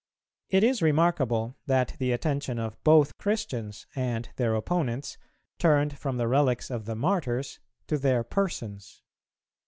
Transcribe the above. It is remarkable that the attention of both Christians and their opponents turned from the relics of the Martyrs to their persons.